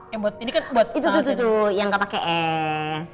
yang gak pake es